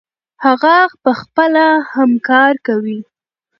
هغه پخپله هم کار کوي.